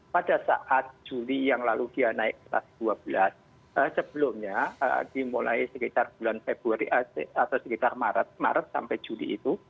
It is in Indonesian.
pada saat juli yang lalu dia naik kelas dua belas sebelumnya dimulai sekitar bulan februari atau sekitar maret sampai juli itu